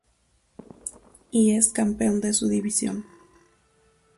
Y es campeón en su división.